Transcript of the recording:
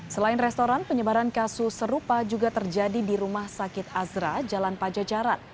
selain restoran penyebaran kasus serupa juga terjadi di rumah sakit azra jalan pajajaran